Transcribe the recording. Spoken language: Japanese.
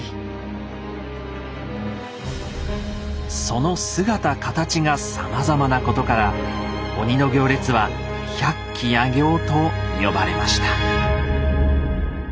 その姿形がさまざまなことから鬼の行列は「百鬼夜行」と呼ばれました。